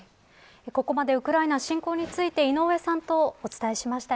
ここまで、ウクライナ侵攻について、井上さんとお伝えしました。